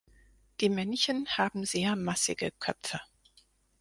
Die Männchen haben sehr massige Köpfe.